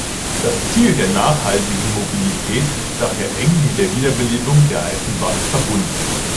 Das Ziel der nachhaltigen Mobilität ist daher eng mit der Wiederbelebung der Eisenbahn verbunden.